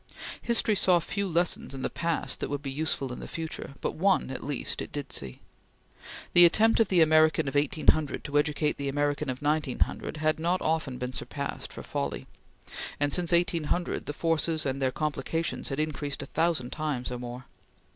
History saw few lessons in the past that would be useful in the future; but one, at least, it did see. The attempt of the American of 1800 to educate the American of 1900 had not often been surpassed for folly; and since 1800 the forces and their complications had increased a thousand times or more.